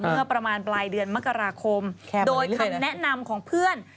เมื่อประมาณปลายเดือนมกราคมโดยคำแนะนำของเพื่อน